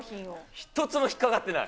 一つも引っ掛かってない。